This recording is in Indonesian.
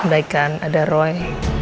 mudaikan ada roy